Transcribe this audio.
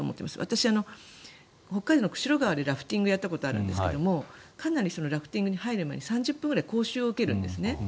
私、北海道の釧路川でラフティングをやったことがあるんですがかなり、ラフティングに入る前に３０分ぐらい講習を受けるんですね。